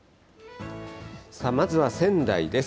さあ、まずは仙台です。